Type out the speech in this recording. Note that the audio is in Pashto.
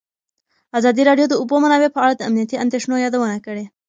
ازادي راډیو د د اوبو منابع په اړه د امنیتي اندېښنو یادونه کړې.